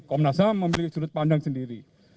komnas ham memiliki sudut pandang sendiri